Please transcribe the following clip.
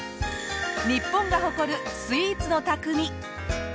日本が誇るスイーツの匠。